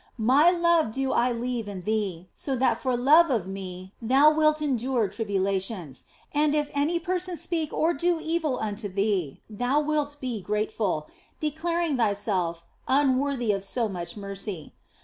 My love do I leave in thee, so that for love of Me thou wilt endure tribulations, and if any person speak or do evil unto thee thou wilt be grateful, declaring thyself unworthy of so much mercy.